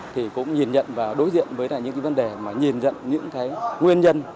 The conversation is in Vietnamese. thì cũng nhìn nhận và đối diện với những vấn đề mà nhìn nhận những nguyên nhân